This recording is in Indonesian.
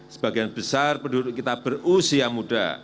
sebagian besar penduduk kita berusia muda